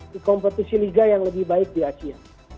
di kompetisi liga yang lebih baik di asia